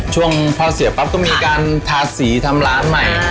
ช่วงพอเสียปั๊บก็มีการทาสีทำร้านใหม่